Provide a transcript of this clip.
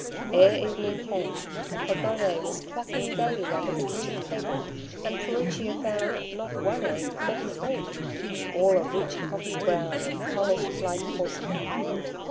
Ere evening came, Coccodé was clucking gaily under the kitchen table, and Furicchia found, not one egg, but three, all a rich coffee brown, and polished like porcelain.